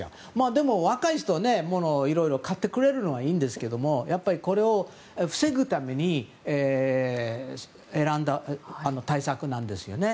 でも、若い人はものをいろいろ買ってくれるのはいいんですけどこれを防ぐために選んだ対策なんですよね。